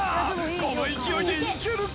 この勢いでいけるか？